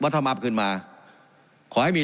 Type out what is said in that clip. การปรับปรุงทางพื้นฐานสนามบิน